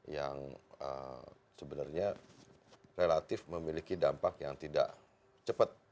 yang sebenarnya relatif memiliki dampak yang tidak cepat